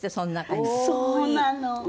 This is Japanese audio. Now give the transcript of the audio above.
そうなの！